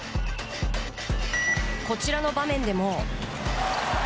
こちらの場面でも。